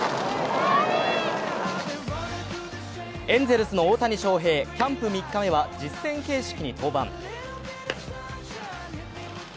エンゼルスの大谷翔平、キャンプ３日目は実戦形式に登板。